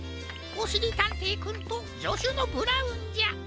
おしりたんていくんとじょしゅのブラウンじゃ。